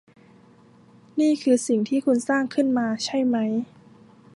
นี่คือสิ่งที่คุณสร้างขึ้นมาใช่มั้ย